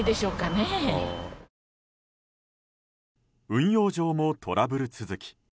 運用上もトラブル続き。